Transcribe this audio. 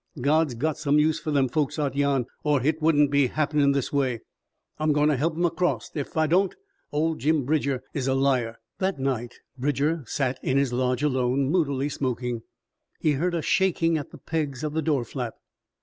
God's got some use for them folks out yan or hit wouldn't be happenin' this way. I'm goin' to help 'em acrost. Ef I don't, old Jim Bridger is a liar!" That night Bridger sat in his lodge alone, moodily smoking. He heard a shaking at the pegs of the door flap.